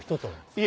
いえ。